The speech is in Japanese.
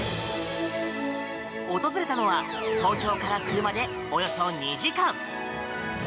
訪れたのは東京から車でおよそ２時間。